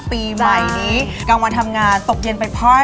ปีใหม่นี้กลางวันทำงานตกเย็นไปพ่อ